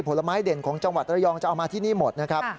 ผลไม้เด่นของจังหวัดระยองจะเอามาที่นี่หมดนะครับ